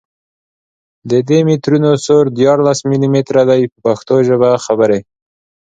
د دي مترونو سور دیارلس ملي متره دی په پښتو ژبه خبرې.